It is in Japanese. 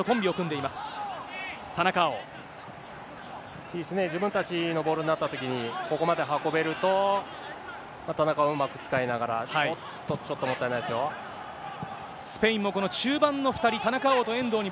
いいですね、自分たちのボールになったときに、ここまで運べると、田中をうまく使いながら、おっと、ちょっともったいないですよ。